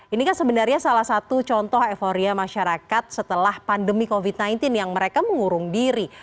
ini kan sebenarnya salah satu contoh euforia masyarakat setelah pandemi covid sembilan belas yang mereka mengurung diri